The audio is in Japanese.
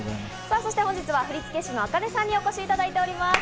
そして本日は振付師のａｋａｎｅさんにお越しいただいております。